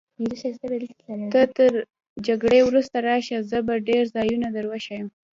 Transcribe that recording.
ته تر جګړې وروسته راشه، زه به ډېر ځایونه در وښیم.